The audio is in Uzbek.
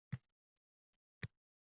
Boladek oq ko’ngil edi bu odam.